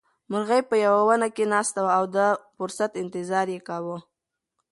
مرغۍ په یوه ونه کې ناسته وه او د فرصت انتظار یې کاوه.